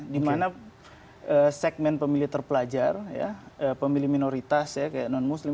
dimana segmen pemilih terpelajar pemilih minoritas ya kayak non muslim